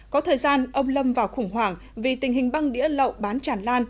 có thời gian ông lâm vào khủng hoảng vì tình hình băng đĩa lậu bán chản lan